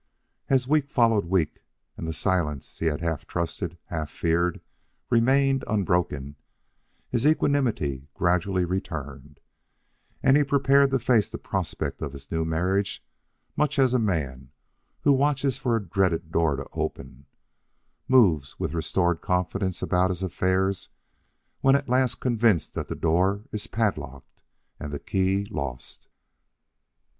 As week followed week, and the silence he had half trusted, half feared, remained unbroken, his equanimity gradually returned, and he prepared to face the prospect of his new marriage much as a man who watches for a dreaded door to open moves with restored confidence about his affairs, when at last convinced that the door is padlocked and the key lost.